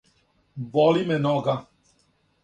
Боли ме нога.